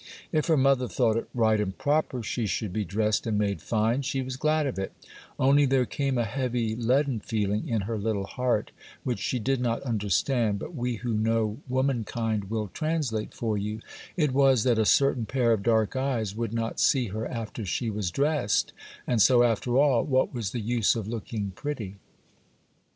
If her mother thought it right and proper she should be dressed and made fine, she was glad of it; only there came a heavy, leaden feeling in her little heart, which she did not understand, but we who know womankind will translate for you: it was, that a certain pair of dark eyes would not see her after she was dressed; and so, after all, what was the use of looking pretty?